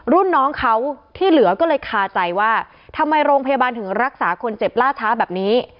รุ่นน้องเขาที่เหลือก็เลยคาใจว่าทำไมโรงพยาบาลถึงรักษาคนเจ็บล่าช้าแบบนี้